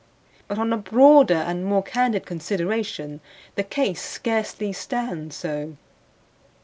But on a broader and more candid consideration the case scarcely stands so.